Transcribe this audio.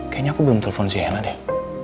kayaknya aku belum telepon sienna deh